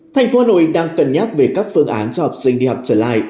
thành phố hà nội đang cân nhắc về các phương án cho học sinh đi học trở lại